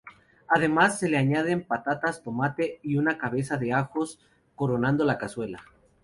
Además se le añaden patatas, tomate y una cabeza de ajos coronando la cazuela.